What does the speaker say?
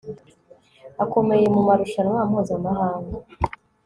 akomeye mumarushanwa mpuzamahanga